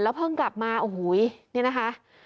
แล้วเพิ่งกลับมาโอ้โหว้ยนี่นะคะ